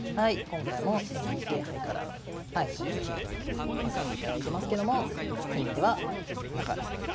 今回もＮＨＫ杯からの取り上げさせていただいてますけども先手は中原先生。